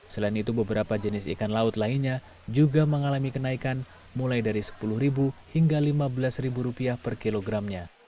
selain itu beberapa jenis ikan laut lainnya juga mengalami kenaikan mulai dari rp sepuluh hingga rp lima belas per kilogramnya